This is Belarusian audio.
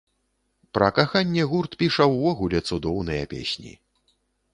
Пра каханне гурт піша ўвогуле цудоўныя песні.